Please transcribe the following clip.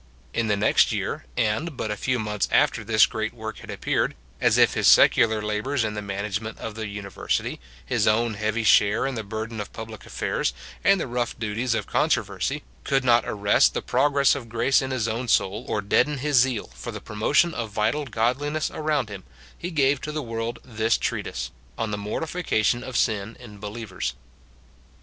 In the next year, and but a few months after this great work had appeared, as if his secular labours in the management of the University, his own heavy share in the burden of public affairs, and the rough duties of controversy, could not arrest the progress of grace in his own soul, or deaden his zeal for the promotion of vital godliness around him, he gave to the world this treatise, " On the Mortification of Sin in Believers."